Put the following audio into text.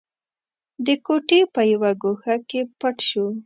د کوټې په يوه ګوښه کې پټ شو.